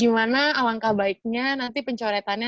gimana alangkah baiknya nanti pencoretannya